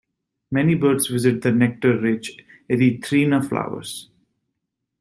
Many birds visit the nectar-rich "Erythrina" flowers.